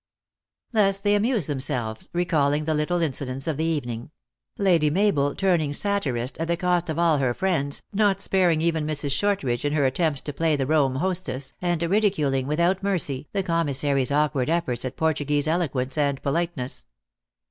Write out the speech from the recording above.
Thus they amused them selves, recalling the little incidents of the evening ; Lady Mabel turning satirist, at the cost of all her friends, not sparing even Mrs. Shortridge, in her at tempts to play the Rome hostess, and ridiculing, with out mercy, the commissary s awkward efforts at Por tuguese eloquence and politeness.